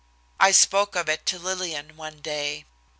I spoke of it to Lillian one day.